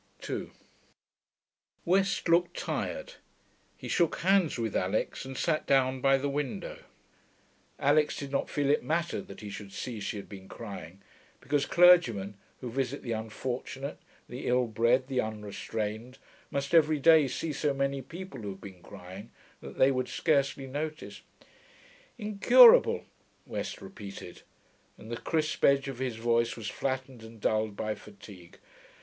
2 West looked tired. He shook hands with Alix and sat down by the window. Alix did not feel it mattered that he should see she had been crying, because clergymen, who visit the unfortunate, the ill bred, the unrestrained, must every day see so many people who have been crying that they would scarcely notice. 'Incurable,' West repeated, and the crisp edge of his voice was flattened and dulled by fatigue.